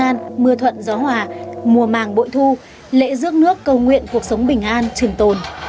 an mưa thuận gió hòa mùa màng bội thu lễ rước nước cầu nguyện cuộc sống bình an trường tồn